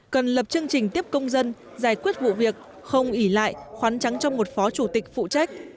cần lập chương trình tiếp công dân giải quyết vụ việc không ỉ lại khoán trắng cho một phó chủ tịch phụ trách